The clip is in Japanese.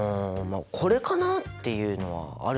これかなっていうのはあるんだけどね。